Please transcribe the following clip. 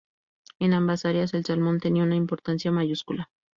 En ambas áreas el salmón tenía una importancia mayúscula.